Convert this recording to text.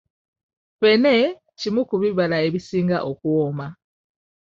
Ffene kimu ku bibala ebisinga okuwooma.